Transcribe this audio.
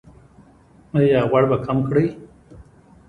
ایا غوړ به کم کړئ؟